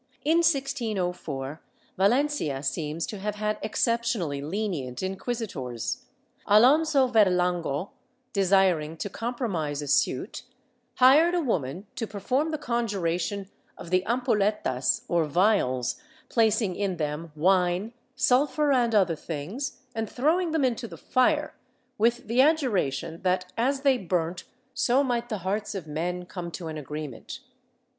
In 1604, Valencia seems to have had exceptionally lenient inciuisitors. Alonso Verlango, desiring to compromise a suit, hired a woman to perform the conjuration of the ampolletas or vials, placing in them wine, sulphur and other things, and throwing them into the fire, with the adjuration that as they burnt so might the hearts of men come to an agreement.